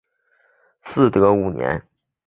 嗣德五年。